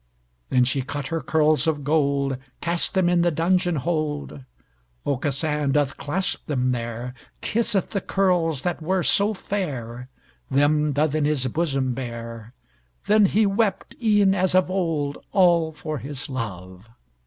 Then she cut her curls of gold, Cast them in the dungeon hold, Aucassin doth clasp them there, Kiss'th the curls that were so fair, Them doth in his bosom bear, Then he wept, e'en as of old, All for his love!